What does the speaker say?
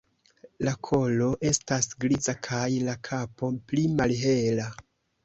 La kolo estas griza kaj la kapo pli malhela.